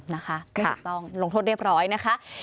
นะคะไม่ถูกต้องลงโทษเรียบร้อยนะคะ